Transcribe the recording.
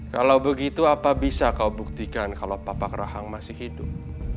kalau begitu apa bisa kau buktikan kalau papak rahang masih hidup